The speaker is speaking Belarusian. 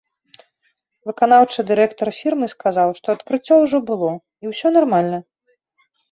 Выканаўчы дырэктар фірмы сказаў, што адкрыццё ужо было і ўсё нармальна.